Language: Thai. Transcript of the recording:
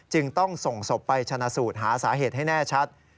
จึงต้องส่งศพไปชนะสูตรหาสาเหตุให้แน่ชัด